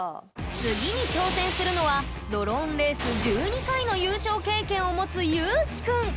次に挑戦するのはドローンレース１２回の優勝経験を持つゆうきくん！